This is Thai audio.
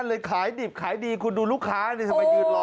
ที่นั้นเลยขายดิบขายดีคุณดูลูกค้าจะไปยืนรอ